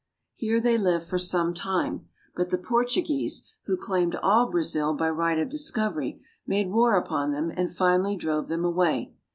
Here they Hved for some time ; but the Portuguese, who claimed all Brazil by right of discovery, made war upon them and finally drove them away.